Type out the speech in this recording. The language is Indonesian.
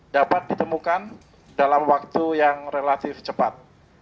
dapat ditemukan dalam waktu yang relatif cepat